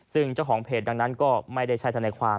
ซึ่งเจ้าของเพจดังนั้นก็ไม่ได้ใช้ทนายความ